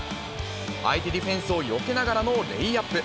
相手ディフェンスをよけながらのレイアップ。